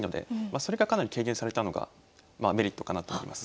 それがかなり軽減されたのがまあメリットかなと思います。